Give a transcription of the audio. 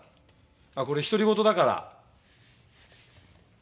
ああこれ独り言だから！